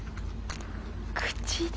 口で？